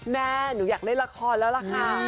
แม่หนูอยากเล่นละครแล้วล่ะค่ะ